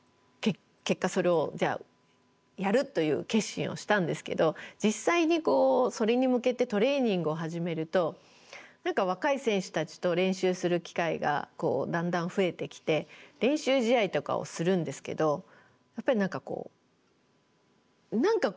結果それをじゃあやるという決心をしたんですけど実際にそれに向けてトレーニングを始めると何か若い選手たちと練習する機会がだんだん増えてきて練習試合とかをするんですけどやっぱり何かこう歯車が合いそうで合わない。